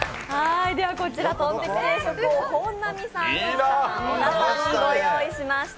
こちら、とんテキ定食を本並さん、藤田さん、小田さんにご用意しました。